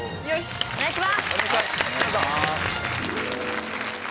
お願いします！